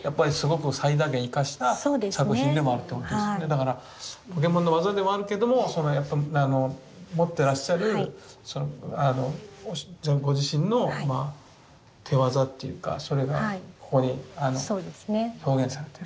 だからポケモンの技でもあるけども持ってらっしゃるご自身の手わざっていうかそれがここに表現されてる遺憾なく。